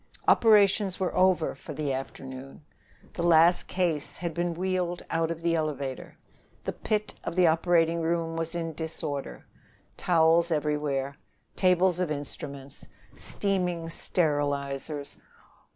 Operations were over for the afternoon. The last case had been wheeled out of the elevator. The pit of the operating room was in disorder towels everywhere, tables of instruments, steaming sterilizers.